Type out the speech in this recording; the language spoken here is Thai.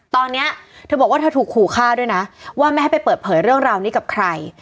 ตอนนี้เธอบอกว่าเธอถูกขู่ฆ่าด้วยนะว่าไม่ให้ไปเปิดเผยเรื่องราวนี้กับใคร